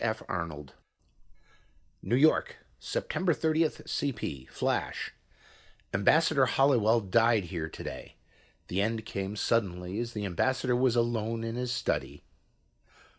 F. Arnold "New York, September 30 CP FLASH "Ambassador Holliwell died here today. The end came suddenly as the ambassador was alone in his study...."